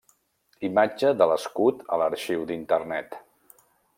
Imatge de l'escut a l'Arxiu d'Internet.